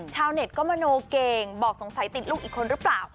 ชาวเน็ตก็มโนเก่งบอกสงสัยติดลูกอีกคนหรือเปล่า